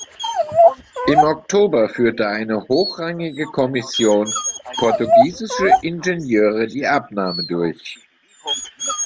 Im Oktober führte eine hochrangige Kommission portugiesischer Ingenieure die Abnahme durch.